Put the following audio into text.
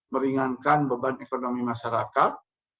meringankan beban ekonomi masyarakat